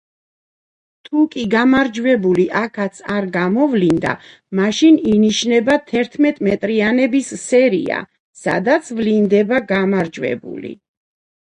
თუკი გამარჯვებული აქაც არ გამოვლინდა, მაშინ ინიშნება თერთმეტრიანების სერია, სადაც ვლინდება გამარჯვებული.